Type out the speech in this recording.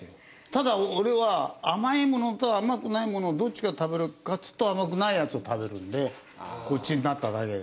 ただ俺は甘いものと甘くないものどっち食べるかっつうと甘くないやつを食べるのでこっちになっただけで。